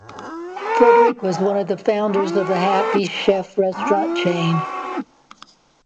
Fredrick was one of the founders of the Happy Chef restaurant chain.